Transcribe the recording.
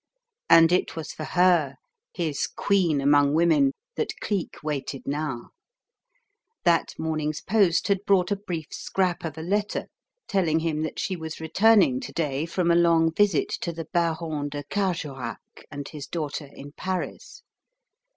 And it was for her, his queen among women, that Cleek waited now. That morning's post had brought a brief scrap of a letter telling him that she was returning to day from a long visit to the Baron de Carjorac and his daughter in Paris.